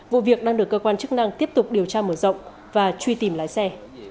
vụ việc đang được cơ quan chức năng tiếp tục điều tra mở rộng và truy tìm lái xe